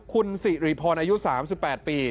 คุณสิริพรอายุ๓๘ปี